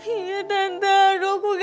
iya tante likes